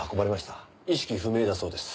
意識不明だそうです。